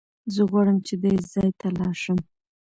زه غواړم چې دې ځای ته لاړ شم.